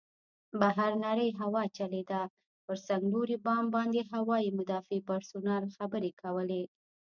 بهر نرۍ هوا چلېده، پر څنګلوري بام باندې هوايي مدافع پرسونل خبرې کولې.